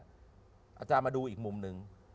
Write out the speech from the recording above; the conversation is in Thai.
อาจารย์มาดูอีกมุมหนึ่ง